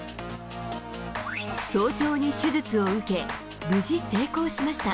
早朝に手術を受け、無事成功しました。